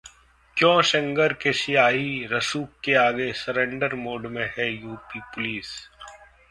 क्यों सेंगर के सियासी रसूख के आगे सरेंडर मोड में है यूपी पुलिस?